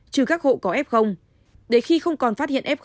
trừ các hộ có f đến khi không còn phát hiện f